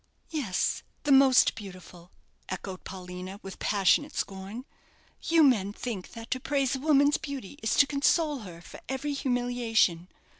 "Yes, the most beautiful!" echoed Paulina, with passionate scorn. "You men think that to praise a woman's beauty is to console her for every humiliation.